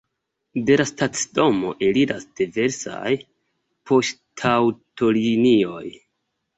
De la stacidomo eliras diversaj poŝtaŭtolinioj.